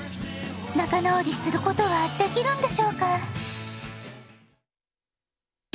なかなおりすることはできるんでしょうか？